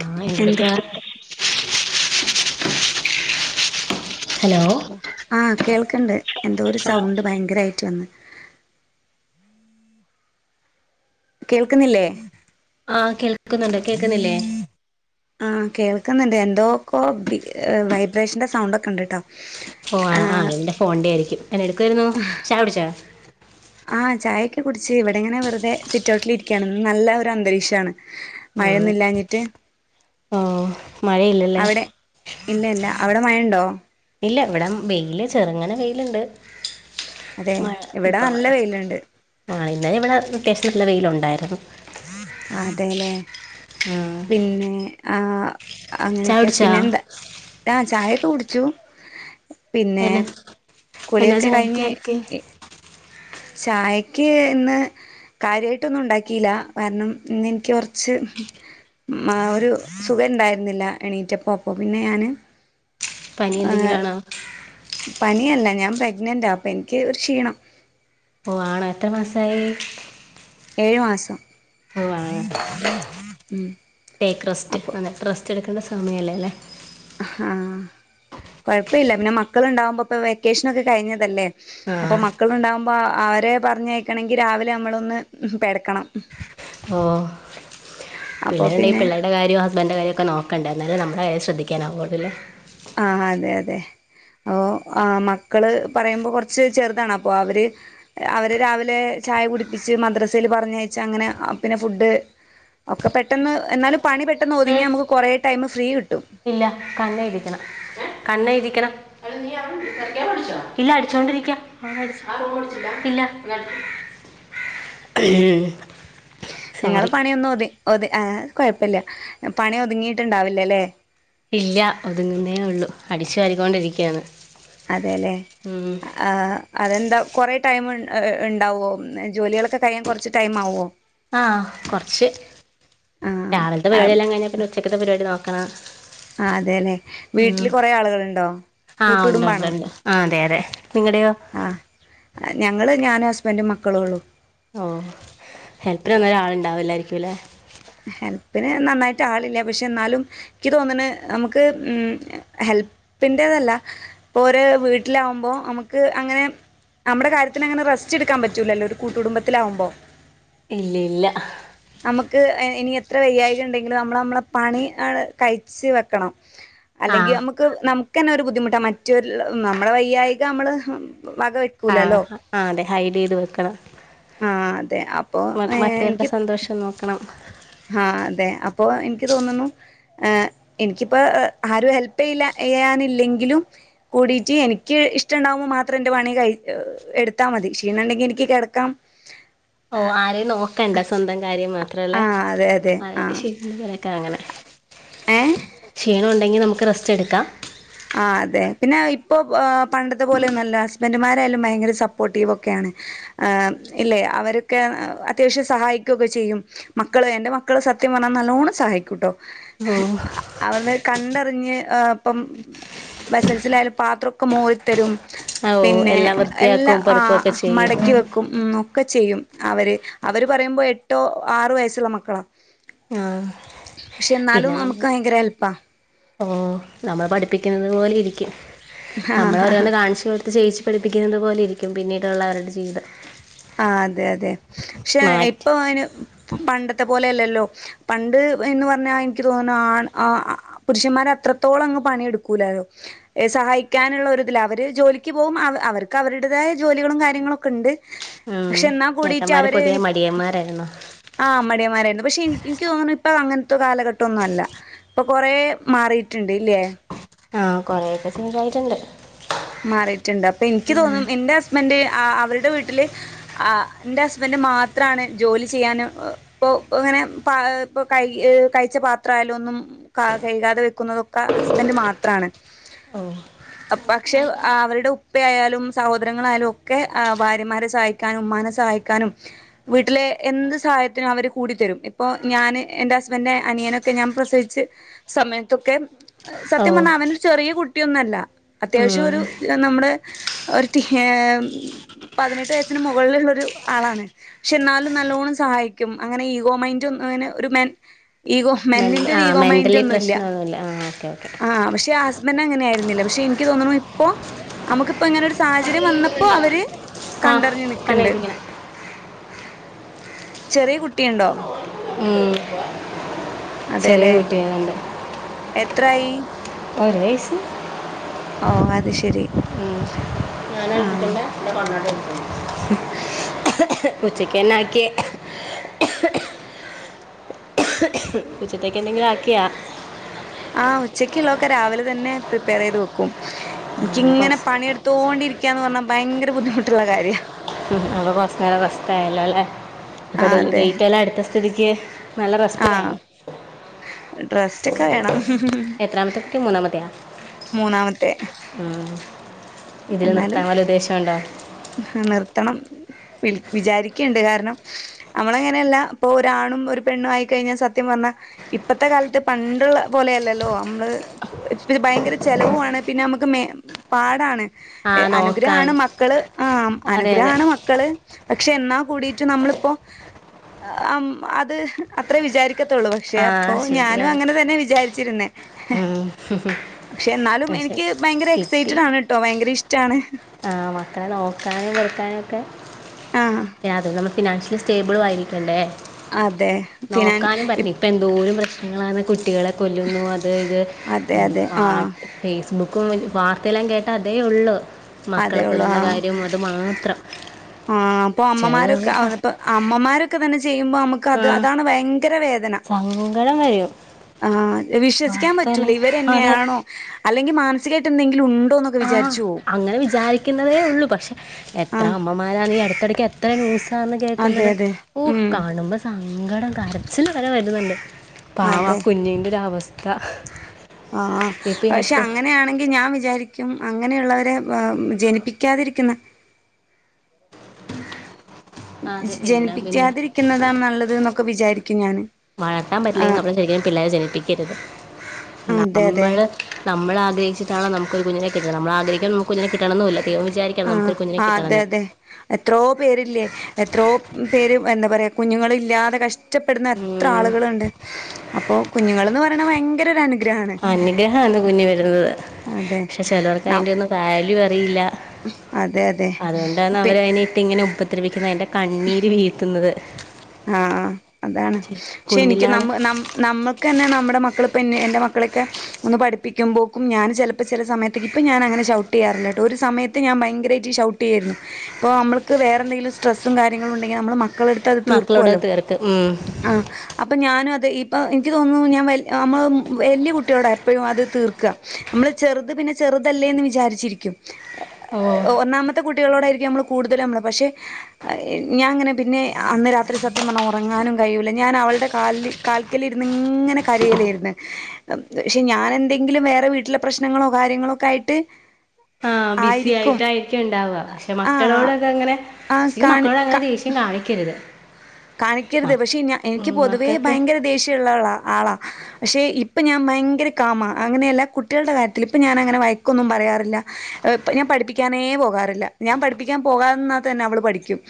ആ എന്ത് [unintelligible] ആ കേൾക്ക്ണ്ട് എന്തോ ഒരു സൗണ്ട് ഭയങ്കരായിട്ട് വന്ന് കേൾക്ക്ന്നില്ലേ ആ കേൾക്ക്ന്ന്ട് കേൾക്ക്ന്നില്ലേ ആ കേൾക്ക്‌ന്ന്ണ്ട് എന്തോക്കോ ബി വൈബ്രേഷന്റെ സൗണ്ട് ഒക്കെ ഇണ്ട്ട്ടോ ഓ ആ ആ എന്റെ ഫോൺന്റെ ആയിരിക്കും എന്ന എടുക്കായിരുന്നു ചാ വുടിച്ചാ ആഹ് ചായൊക്കെ കുടിച്ച് ഇവിടെ ഇങ്ങനെ വെറുതെ സിറ്റ്ഔട്ടിലിരിക്കുകയാണ് ഇന്ന് നല്ല ഒരു അന്തരീക്ഷമാണ് ആഹ് മഴയൊന്നും ഇില്ലാഞ്ഞിട്ട്. ഓ മഴയില്ലല്ലേ? ഇല്ല ഇല്ല അവിടെ മയ ഉണ്ടോ? ഇല്ല, ഇവിട വെയില് ചെറുങ്ങനെ വെയില്ണ്ട്. അതെ മഴ ഇവിടെ ഇപ്പമഴ നല്ല വെയില്ണ്ട് ആ ഇന്നലെ ഇവിടെ [unintelligible] വെയിലുണ്ടായിരുന്നു. അതേല്ലേ ആഹ് പിന്നെ ആ ചായ അങ്ങനെയൊക്കെ കുടിച്ചാ പിന്നെ എന്താ, ആ ചായയൊക്കെ കുടിച്ചു പിന്നെ എന്നാ എന്നാ കുളിയൊക്കെ കഴിഞ്ഞ് ചായക്കാക്കി ചായക്ക് ഇന്ന് കാര്യമായിട്ടൊന്നും ഉണ്ടാക്കിയില്ല കാരണം ഇന്ന്െനിക്ക് കുറച്ച് ഒരു സുഖം ഇണ്ടായിരുന്നില്ല എണീറ്റപ്പ അപ്പൊ പിന്നെ ഞാന് പനി എന്തെങ്കിലും ആണോ പനിയല്ല ഞാൻ പ്രഗ്നന്റാപ്പൊ എനിക്ക് ഒരു ക്ഷീണം ഓ ആണോ എത്ര മാസായി ഏഴ് മാസം [unintelligible] ടേക്ക് അപ്പോൾ റസ്റ്റ് റസ്റ്റ് [unintelligible] സമയല്ലേ അല്ലേ ആ കുഴപ്പമില്ല പിന്നെ മക്കളുണ്ടാാവുമ്പോ ഇപ്പൊ വെക്കേഷൻൊക്കെ കഴിഞ്ഞതല്ലേ അപ്പൊ ആഹ് മക്കളുണ്ടാവുമ്പോ ആാ അവരെ പറഞ്ഞയക്കണങ്കി രാവിലെ നമ്മളൊന്ന് പെടക്കണം [unintelligible] അപ്പൊ പിള്ളേരുണ്ടെങ്കിൽ പിന്നെ പിള്ളരുടെ കാര്യോ ഹസ്ബൻഡന്റെ കാര്യ ഒക്കെ നോക്കണ്ട എന്നാലും നമ്മള കാര്യ ശ്രധിക്കൻാവൊള്ളൂ ലെ ആ അതെ അതെ ഓ ആ മക്കള് പറയുമ്പോ കുറച്ച് ചെറുതാണ് അപ്പൊ അവര് അവര് രാവിലെ ചായ കുടിപ്പിച്ച് മദ്രസൽ പറഞ്ഞയച്ചാ അങ്ങനെ പിന്നെ ഫുഡ് ഒക്കെ പെട്ടെന്ന് എന്നാലും പണി പെട്ടെന്ന് ഏ ഒതുങ്ങാ നമുക്ക് കുറെേ ടൈം ഫ്രീ കി ഇല്ല [unintelligible] [unintelligible] [unintelligible] [unintelligible] നിങ്ങള് സോറി പണിയൊന്നതി [unintelligible] ആ കുഴപ്പില്ല പണി ഒതുങ്ങിയിട്ടുണ്ടാവില്ലല്ലേ ഇല്ല ഒതുങ്ങുന്നേ ഉള്ളു അടിച്ചു വലിക്കൊണ്ടിരിക്കയാണ് അതെല്ലെ ആ അതെന്താ കൊറേ ടൈം ഉണ്ടാവുമോ ജോലികളൊക്കെ കഴിയാൻ കുറച്ച് ടൈംമാവുമോ ആഹ കൊർച്ച് ആഹ് രാവിൽത്തെ പരിപാടിയെല്ലാം കഴിഞ്ഞാ പിന്നെ ഉച്ചക്കത്തെ പരിപാടി നോക്കണോം. ആ അതെല്ലെ വീട്ടില് കൊറേ ആളുകൾണ്ടോ ആ കൂട്ട് ഉണ്ട് ഉണ്ട് കുടുംബാണോ? ഉണ്ട് ആ അതെ അതെ നിങ്ങളുടെയോ ആഹ് ഞങ്ങള് ഞാനും ഹസ്ബൻറും മക്കളോള്ളു. ഓ ഹെൽപ്ന് ഒന്നരാളുണ്ടാവുലായിരിക്കുംല്ലേ? ഹെൽപ്പിന് നന്നായിട്ട് ആളില്ല പക്ഷെ ന്നാലും ഇക്ക് തോന്ന്ണെ അമ്മക്ക് ഉം ഹെൽ പിന്റെതല്ല ഇപ്പോരേ വീട്ടിലാവുമ്പോ അമ്മക്ക് അങ്ങനെ അമ്മടെ കാര്യത്തിന് അങ്ങനെ റസ്റ്റ്ട്ക്കാൻ പറ്റൂലല്ലോ ഒരു കൂട്ടുടുംബത്തിലാവുമ്പോ ഇല്ല്യ ഇല്ല്യ അമ്മക്ക് എനി എത്ര വയ്യായികണ്ടെങ്കിലും നമ്മൾ നമ്മളെ പണി അ കഴിച് വെക്കണം. ആ അല്ലെങ്കി നമ്മക്ക് നമുക്കെന്നെ ഒരു ബുദ്ധിമുട്ടാ മറ്റ് നമ്മളെ വയ്യായിക നമ്മള് വക ആ വെക്കൂലല്ലോ ആ അതെ ഹൈടെയ്ത് വെക്കണം. ആഹ് അതെ അപ്പൊ മ മറ്റൊൽടെ സന്തോഷം നോക്കണം. ആ അതെ അപ്പൊ എനിക്ക് തോന്നുന്നു എനിക്കിപ്പോ ആരും ഹെൽപ് ചെയ്ല്ല ചെയ്യാനില്ലെങ്കിലും കൂടിട്ട് എനിക്ക് ഇഷ്ടണ്ടാകുമ്പോ മാത്രം ന്റെ പണി കയ് എടുത്താ മതി. ക്ഷീണണ്ടെങ്കി എനിക്ക് കെടക്കാം. ഓ ആരെയും നോക്കണ്ട സ്വന്തം കാര്യം മാത്രല്ലേ ആഹ് അതെ അതെ ആ ശ ആഹ് ക്കങ്ങനെ ഏഹ് ക്ഷീണം ഉണ്ടെങ്കിൽ നമുക്ക് റെസ്റ്റ് എടുക്കാം. ആ അതെ പിന്നെ ഇപ്പൊ പണ്ടത്തെ പോലെയൊന്നല്ല ഹസ്ബൻഡുമാരായാലും ഭയങ്കര സപ്പോർട്ടീവൊക്കെയാണ്. ആം ഇല്ലേ അവരൊക്കെ അത്യാവശ്യം സഹായിക്കൊക്കെ ചെയ്യും മക്കള് എന്റെ മക്കള് സത്യം പറഞ്ഞാൻ നല്ലോണം സഹായിക്കൂട്ടോ ഓ അവര് കണ്ടറിഞ്ഞ് അപ്പം ബസൽസിലായാലും പാത്രോക്കെ മോറിത്തരും. ഓ പിന്നെ എല്ലാം എല്ലാ വൃത്തിയാക്കും ആ പെറുക്കും ഒക്കെ ചെയ്യും മടക്കി വെക്കും ഉം ഒക്കെ ചെയ്യും അവര് അവര് പറയുമ്പോ എട്ടോ ആറ് വയസ്സുള്ള മക്കളാ ആ ക്ഷെന്നാലും പിന്നെ മ്മക്ക് നമ്മൾ ഭയങ്കര ഹെല്പ്പാ. ഓ നമ്മൾ പഠിപ്പിക്കുന്നത് പോലെ ഇരിക്കും നമ്മള ഓരോന്ന് കാണിച്ചു കൊട്ത്ത് ചെയ്യിച്ച്പഠിപ്പിക്കുന്നത് പോലെരിക്കും പിന്നീടുള്ളവരുടെ ജീവിതം. ആ അതെ അതെ ക്ഷെ മാറ്റി ഇപ്പൊ അയ്‌ന് പണ്ടത്തെ പോലെയല്ലല്ലോ പണ്ട് ന്ന് പറഞ്ഞാ നിക്ക് തോന്ന്ണ് ആണ് ആ പുരുഷന്മാർ അ ത്രത്തോളങ്ങ് പണിയെടുക്കൂലലോ സഹായിക്കാനുള്ള ഒരുതിൽ അവര് ജോലിക്ക് പോവും അവര്ക്ക് അവരുടെ തായ ജോലികളും കാര്യങ്ങളൊക്കെണ്ട്. ഉം പക്ഷെ എന്നാ ചേട്ടന്മാര് പൊതുവെ മടിയന്മാരായിന്നോ? ആ മടിയന്മാരായിര്ന്ന് പക്ഷെ നിക്ക് തോന്ന്ണ് പ്പൊ അങ്ങൻത്തെ കാലഘട്ടൊന്നല്ല ഇപ്പൊ കൊറേ മാറിയിട്ടുണ്ട് ല്ലേ ആ കൊറെക്കെ ചേഞ്ചായ്ട്ട്ണ്ട്. മാറിയിട്ട്ണ്ട് അപ്പൊനിക്ക് തോന്നും എന്റെ ഹസ്ബന്റ് ആ അവരുടെ വീട്ടില് ആ ന്റെ ഹസ്ബന്റ് മാത്രാണ് ജോലി ചെയ്യാന് ഒ പൊ ന്നേ പ്ആ കഴിച്ച പത്രായാലും ഒന്നും കെഴ്കാതെ വെക്കുന്നതൊക്കെ ഹസ്ബൻഡ് മാത്ര ത്രാണ്. ഓ ക്ഷേ അവരുടെ ഉപ്പയായാലും സഹോദരങ്ങളായാലും ഒക്കെ ഭാര്യമാരെ സഹായിക്കാനും ഉമ്മാനെ സഹായിക്കാനും വീട്ടില് എന്ത് സഹായത്തിനും അവര് കൂടി തെരും ഇപ്പോ ഞാൻ എന്റെ ഹസ്ബന്റെ അനിയനൊക്കെ ഞാ ഞാൻ പ്രസവിച്ച് സമയത്തൊക്കെ ഓ സത്യം പറഞ്ഞാ അവനൊരു ചെറിയ കുട്ടിയൊന്നല്ല. അത്യാവശ്യം ഉം ഒരു നമ്മുടെ ഒരു ടി പതിനെട്ട് വയസ്സിന് മുകളിലുള്ളൊരു ആളാ പക്ഷെ ന്നാലും നല്ലോണം സഹായിക്കും അങ്ങനെ ഈഗോ മൈൻണ്ടൊ അങ്ങനെ ഒരു മെൻ ഈഗോ മെന്റ മെന്റിന്റെ ആ ഒരു ഈഗോ മെന്റലി മൈന്റോന്നുല്ല പ്രശ്നമൊന്നുമില്ല ആ ഓക്കെ ഓക്കെ ആ പക്ഷെ വന് അങ്ങനെ ആയിരുന്നില്ല പക്ഷെനിക്ക് തോന്നുന്നു ഇപ്പോ അമ്മക്പ്പോ ഇങ്ങനൊരു സാഹചര്യം വന്നപ്പോ അവര് ആ കണ്ടറിഞ്ഞു നിക്ക്ണ്ട്. പണിയെടുക്കണം ചെറിയ കുട്ടിയുണ്ടോ? ഉം ചെറിയ കുട്ട്യാള്ണ്ട് എന്തായി ഓ അത് ശെരി ഉം ഞാൻ [unintelligible] എന്റെ കണ്ണാടി ഉച്ചക്ക് തന്നെ ആക്കി ഉച്ചത്തേക്ക് എന്തെങ്കിലും ആക്ക്യോ ആ ഉച്ചക്കുള്ളതൊക്കെ രാവിലെ തന്നെ പ്രിപ്പയർ ചെയ്ത് വെക്കും അങ്ങനെ എനിക്കിങ്ങനെ കുറച്ച് പണിയെടുത്തോണ്ടിരിക്കയാന്ന് പറഞ്ഞാ ഭയങ്കര ബുദ്ധിമുട്ടുള്ള കാര്യാ നമ്മള് കുറച്ച് നേരം റസ്റ്റ്‌ ആയല്ലോ അല്ലേ ഇപ്പം ആഹ് അതെ ഡേറ്റ് എല്ലാം എടുത്ത സ്ഥിതിക്ക് നല്ല റെസ്റ്റ് ആഹ് വേണം റെസ്റ്റൊക്കെ വേണം എത്രാമത്തെ കുട്ടി മൂന്നാമത്തെയാ മൂന്നാമത്തെ ഇതില് നിർത്താൻ വെല്ല ഉദ്ദേശം ഉണ്ടോ ഹാ നിർത്തണം വിചാരിക്കയുണ്ട് കാരണം നമ്മള് അങ്ങനെയല്ല ഇപ്പൊ ഒരാണും ഒരു പെണ്ണും ആയിക്കഴിഞ്ഞാൽ സത്യം പറ ഞ്ഞാൽ ഇപ്പത്തെ കാലത്ത് പണ്ടുള്ള പോലെയല്ലല്ലോ നമ്മള് ഭയങ്കര ചെലവുവാണ് പിന്നെ നമുക്ക് മെ പാടാണ് ആ നോക്കാൻ അനുഗ്രഹാണ് മക്കള് ആഹ് അതെ അതെ അനുഗ്രഹമാണ് മക്കള് പക്ഷെ എന്നാ കൂടീട്ട് നമ്മളിപ്പോ ആഹ് അം അത് അത്രയും വിചാരി ത്തുള്ളൂ പക്ഷെ ആ അപ്പൊ ഞാനും ശരിയാണ് അങ്ങനെ തന്നെയാ വിചാരിച്ചിരുന്നേ ഉം പക്ഷെ എന്നാലും പക്ഷേ എനിക്ക് ഭയങ്കര എക്സൈറ്റഡ് ആണ് കേട്ടോ ഭയങ്കര ഇഷ് ആഹ് മക്കളെ നോക്കാനും എടുക്കാനും ഒക്കെ ആഹ് അതേ നമ്മള് ഫിനാൻഷ്യലി സ്റ്റേബിളും ആയിരിക്കണ്ടേ അതെ ഫിനാൻ നോക്കാനും പറ്റി ഇപ് ഇപ്പം എന്തോരു പ്രശ് നങ്ങളാണ് കുട്ടികളെ കൊല്ലുന്നു അത് ഇത് അതെ അതെ ആഹ് [unintelligible] ബുക്കും വാർത്തയെല്ലാം കേട്ടാ അതേ ഉള്ളു അതേ മക്കളെ ഒള്ളൂ കൊല്ലുന്ന ആഹ് കാര്യവും അത് മാത്രം ആഹ് അപ്പൊ ചില അമ്മമാരൊക്കെ അതിപ്പോ അമ്മമാരൊക്കെ തന്നെ ചെയ് ചെയ്യുമ്പോ നമുക്ക് ആ അത് അതാണ് ഭയങ്കര വേദന സങ്കടം വരും ആഹ് വിശ്വസിക്കാൻ പറ്റൂല വാർത്തയെല്ലാം ഇവര് അതെ തന്നെയാണോ അല്ല് അല്ലെങ്കിൽ മാനസികമായിട്ട് എന്തെങ്കിലും ഉ ആഹ് അങ്ങനെ വിചാരിക്കുന്നതേ ഉള്ളൂ പക്ഷെ എത്ര ആഹ് അമ്മമാരാണ് ഈ അടുത്തെടക്ക് എത്ര ന്യൂസാന്ന് അതെ കേൾക്കുന്നത് അതെ ഓഹ് ഉം കാണുമ്പോ സ സങ്കടം കരച്ചില് വരെ വരുന്നുണ്ട് പാവം ആ അതെ കുഞ്ഞിന്റെ ഒര് അവസ്ഥ ആഹ് ഇപ്പം ഈ പക്ഷെ അടുത്ത് അങ്ങനെയാണെങ്കിൽ ഞാൻ വിചാരിക്കും അങ്ങനെയുള്ളവരെ ജനിപ്പിക്കാതിരിക്കുന്ന അതെ എന്തിനാ പിന്നെ ജനിപ്പിക്കാതിരിക്കുന്നതാണ് നല്ലത് എന്നൊക്കെ വിചാരിക്കും ഞാന് വളർത്താൻ പറ്റിയില്ലെങ്കിൽ ആഹ് നമ്മള് ശരിക്കും പിള്ളേരെ ജനിപ്പിക്കരുത് അതെ അതെ നമ്മള് നമ്മൾ ആഗ്രഹിച്ചിട്ടാണോ ന മ്മക്ക് കുഞ്ഞിനെ കിട്ടണത് നമ്മള് ആഗ്രഹിക്കുമ്പം നമുക്ക് കുഞ്ഞിനെ കിട്ടണം എന്നുമില്ല ദൈവം വിചാ ആഹ് ആഹ് അതെ അതെ എത്രോ പേരില്ലേ എത്രയോ പേര് എന്താ പറയാ കുഞ്ഞുങ്ങളില്ലാതെ കഷ്ടപ്പെടുന്ന എത്ര ഉം ആളുകളുണ്ട് അപ്പൊ കുഞ്ഞുങ്ങൾന്ന് പറയണെ ഭയങ്കര ഒരു അനു അനുഗ്രഹാന്ന് കുഞ്ഞ് വരുന്നത് അതെ പക്ഷെ ചിലർക്ക് ന അതിന്റെ ഒന്നും വവാല്യൂ അറിയില്ല അതെ അതെ അതുകൊണ്ടാണ് പി അവര് അതിനെ ഇട്ടിങ്ങനെ ഉ ഉപദ്രവിക്കുന്നെ അതിന്റെ കണ്ണീര് വീഴ്ത്തുന്നത് ആഹ് അതാണ് പക്ഷെ എനിക്ക് കുഞ്ഞിലാണ് നമ്മ നമ്മൾക്ക്ന്നെ നമ്മ നമ്മുടെ മക്കളിപ്പോൾ എന്നേ എന്റെ മക്കളെക്കെ ഒന്ന് പഠിപ്പിക്കാൻ പോക്കും ഞാൻ ചിലപ്പോ ചില സമയത്തേ ഇപ്പം ഞാന് അങ്ങനെ ഷൗട്ട് ചെയ്യാറ് ഇല്ല കേട്ടോ ഒരു സമയത്ത് ഞാൻ ഭയങ്കരമായിട്ട് ഷൗട്ട് ചെയ്യുമായിരുന്നു അപ്പോൾ നമ്മക്ക് വേറെന്തെങ്കിലും സ്ട്രെസും കാര്യങ്ങളും ഉണ്ടെങ്കിൽ നമ്മള് മ മക്കള എടുത്ത് അത് മക്കളോട് തീർക്കുമല്ലോ തീർക്ക് ഉം ആഹ് അപ്പൊ ഞാന് അത് ഈ ഇപ്പം എനിക്ക് തോന്നുന്നു ഞാൻ വല്യ നമ്മൾ വലിയ കുട്ടിയോടാ എപ്പോഴും അത് തീർക്കുക നമ്മള് ചെറുത് പിന്നെ ചെറുത് തെല്ലെന്നു വിചാരിച്ചു ഇരിക്കും ഓ ഒന്നാമത്തെ കുട്ടികളോടായിരിക്കും നമ്മള് കൂടുതല നമ്മള് പക്ഷെ ഞാൻങ്ങെന്നെന്ന് അത്ര സത്യം വ ഉറങ്ങാനും കഴിയൂല്ല ഞാൻ അവളുടെ ക കാൽക്കല്ിന്ന് ഇങ്ങനെ കരയലായിന്ന് പക്ഷെ ഞാൻ എന്തെങ്കിലും വേറെ വീട്ടിലെ പ്രശ്നങ്ങളോ കാര്യങ്ങളൊക്കെ ആയിട്ട് ആഹ ബിസി ആയിരിക്കും ആയിട്ടായിരിക്കും ഇണ്ടാവാ പക്ഷെ ആഹ് മക്കളോടൊക്കെ അങ്ങനെ ആഹ് ശും കാണി മക്കളോട് അങ്ങനെ ക ദേഷ്യം കാണിക്കരുത് കാണിക്കരുത് പക്ഷെ ഇ എനിക്ക് ഉം പൊതുവേ മക്കൾക്ക് ഭയങ്കര ദേഷ്യമുള്ളവളാ ആളാ പക്ഷെ ഇപ്പൊ ഞാൻ ഭയങ്കര കാമ അങ്ങനെയല്ല കുട്ടികളുടെ കാര്യത്തിൽ ഇപ്പ ഞാൻ അങ്ങനെ വയക്കൊന്നും പറയാ റ ഞാൻ പഠിപ്പിക്കാനേ പോകാറില്ല ഞാൻ പഠിപ്പിക്കാൻ പോകാന്നാകത്ത തന്നെ അവള് പഠിക്കും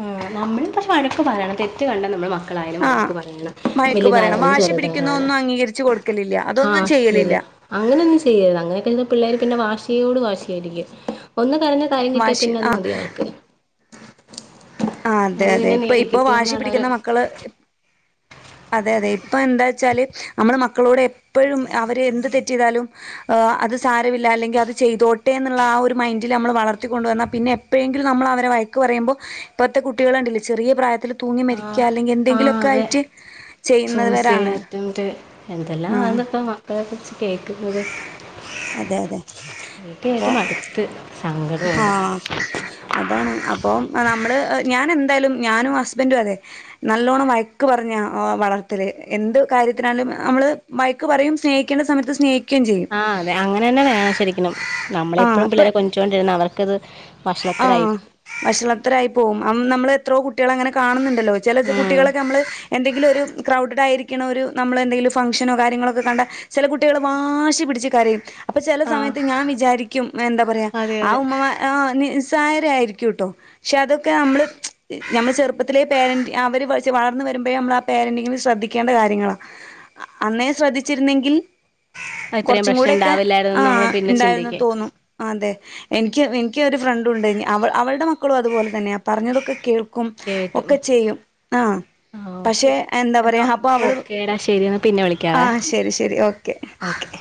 ആ നമ്മളള് പക്ഷെ വഴക്ക് തെറ്റ് കണ്ട നമ്മള് മ മക്കളായാലും ആഹ് വഴക്ക പറയണം വഴക്ക് പറയണം. വലുതായാലും വാശി പിടിക്കുന്ന ചെറുതായാലും ഒന്നും അംഗീകരിച്ച് കൊടുക്കലില്ല. അതൊന്നും ആഹ് ചെയ്യലില്ല. ശെരി അങ്ങനെയ ഒന്നും ചെയ്യരുത് അങ്ങനെക്കെ ചെയ്താൽ പിള്ളേര് വാശി യോ ട് വാശിയായിരിക്കും ഒന്ന് കരഞ്ഞ കാര്യം കിട്ടിയാൽ വാശി പിന്നെ അത് ആഹ് മതി അവർക്ക് ആഹ് അതെ അത് അതെ. പിന്നെ ഇപ്പൊ ഇപ്പൊ നേടിക്കിട്ടും വാശി എന്നുള്ളൊരു പിടിക്കുന്ന മക്കള് അതെ അതെ ഇപ്പൊ എന്താ വച്ചാല് നമ്മള് മക്കളോട് എപ്പോഴും അവര് എന്ത് തെററ്റ് ചെയ്താലുംഹ അത് സാരമില്ല അല്ലെങ്കിൽ അത് ചെയ്തോട്ടെ എന്നുള്ള ആ ഒരു മൈൻഡില് നമ്മൾ വളർത്തിക്ക കൊണ്ടുവന്നൽ പിന്നെ എപ്പോഴെങ്കിലും നമ്മൾ അവരെ പറയുമ്പോ ഇപ്പഴത്തെ കുട്ടികളു ഉണ്ട ചെറിയ പ്രായത്തിൽ തൂങ്ങി മരിക്കുക അല്ലെങ്കിൽ എന്തെങ്കിലുമ ഒക്കെ ആയിട്ട് സൂസൈഡ് ചെയ്യുന്നവരാണ് അറ്റംറ്റ് എന്തെല്ലാം ആ ആഹ് ഇപ്പ മക്കളെ കുറിച്ച് കേക്കുന്നത് അതെ അതെ ത് ഏത് അടുത്ത് സങ്കട ആഹ അതാണ് അപ്പം നമ്മള് ഞൻ എന്തായാലും ഞാനും ഹുസ്ബൻഡ് നല്ലോണം വഴക്ക് പറഞ്ഞാ വളർത്തൽ നമ്മള് ബൈക്ക് പറയും സ്നേഹിക്കേണ്ട സമയത്ത് സ്നേഹ ആഹ് അതെ അങ്ങനെ തന്നെ വേണം ശരിക്കും നമ്മളെപ്പോഴും പിള്ളേരെ കൊഞ്ചിച്ചോണ്ട് ഇരുന്നാൽ അവർക്കത് ആ വഷളത്തരായി വഷളത്തരായി പോകും നമ്മൾ എത്രോ കുട്ടി കുട്ടികൾ അങ്ങനെ കാണുന്നുണ്ടല്ലോ ചില ഉം കുട്ടികളൊക്കെ നമ്മള് എന്തെങ്കിലും ഒരു ക്രൗഡ് ആയിരിക്കും ക്ക ണ ഒരു നമ്മൾ എന്തെങ്കിലും ഫംഗ്ഷനോ കാര്യങ്ങളൊക്കെ കണ്ട ചില കുട്ടികള് വാശി പിടിച്ച് കരയും അപ്പൊ ചില ആഹ് സമയത്ത് ഞാൻ വിചാരിക്കും എന്താ പറയാ അതെ ആ അതെ ഉമ്മ സാ ഹ ചര്യം ആയിരിക്കും കേട്ടോ പക്ഷെ അതൊക്കെ നമ്മള് നമ്മള് ചെറുപ്പത്തിലെ പേരന്റ് അവർ വളർന്ന് വരുമ്പോഴ നമ്മള ആ പേരന്റിങ്ങ ശ്രദ്ധിക്കേണ്ട കാര്യങ്ങളാ അന്നേ ശ്രദ്ധിച്ചിരുന്നെങ്കിൽ ഇത്രയും കുറച്ചും പ്രശ്നം കൂടൊ ക്കെ ഉണ്ടാവില്ലായിരുന്നുന്ന് ആഹ നമ്മൾ പിന്നെ ഉണ്ടായിന്ന് ചിന്തിക്കും തോന്നും അതെ എനിക്ക് എനിക്ക് ഒരു ഫ്രണ്ടു ണ്ട് കഞ് അവൾ അവളുടെ മക്കളും അതുപോലെ തന്നെയാണ് പറഞ്ഞതൊക്കെ കേൾക്കും കേട്ടു ഒക്കെ ചെയ്യും ആഹ ആഹ് പക്ഷെ ഓക്കെ എന്താ എന്നാ പറയാ അപ്പൊ അവള് ഓക്കേടാ ശരി എന്നാ പിന്നെ വിളിക്കാവേ ആഹ ശരി ശരി ഓക്കെ ഓക്കെ